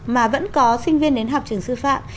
mà vẫn có sinh viên đến học trường sư phạm